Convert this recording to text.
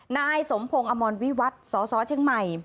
นายสมพงศ์อมรวิวัตรสสเชียงใหม่